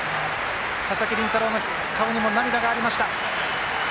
佐々木麟太郎の顔にも涙がありました。